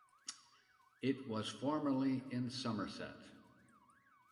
It was formerly in Somerset.